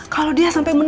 kalau dia sampai menarik